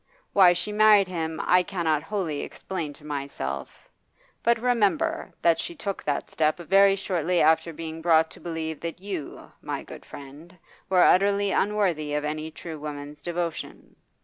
Why she married him I cannot wholly explain to myself, but remember that she took that step very shortly after being brought to believe that you, my good friend, were utterly unworthy of any true woman's devotion.